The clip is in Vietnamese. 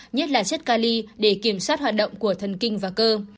nhất là chất cali để kiểm soát hoạt động của thần kinh và cơ